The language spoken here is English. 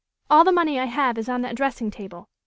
All the money I have is on that dressing table.